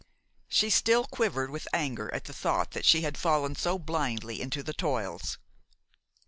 She still quivered with anger at the thought that she had fallen so blindly into the toils.